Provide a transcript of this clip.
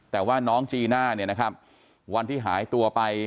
แต่ว่าน้องจีน่าเนี่ยนะครับวันที่หายตัวไป